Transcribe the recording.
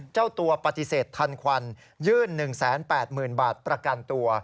เจ้าตัวปฏิเสธทันควันยื่น๑๘๐๐๐บาทประกันตัว